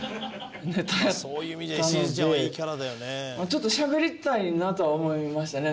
ちょっとしゃべりたいなとは思いましたね。